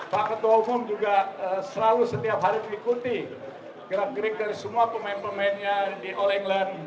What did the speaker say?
pak ketua umum juga selalu setiap hari mengikuti gerak gerik dari semua pemain pemainnya di all england